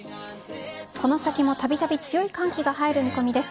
この先もたびたび強い寒気が入る見込みです。